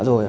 dạ rồi ạ